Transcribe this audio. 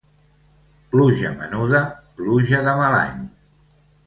Pluja menuda, pluja de mal any.